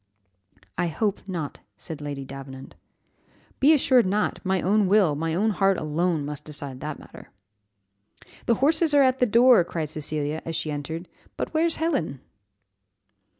"I hope not," said Lady Davenant. "Be assured not; my own will, my own heart alone, must decide that matter." "The horses are at the door!" cried Cecilia, as she entered; but "where's Helen?"